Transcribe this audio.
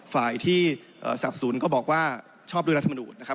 ฝ่ายที่สนับสนก็บอกว่าชอบด้วยรัฐมนุนนะครับ